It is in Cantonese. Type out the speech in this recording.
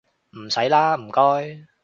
唔使喇唔該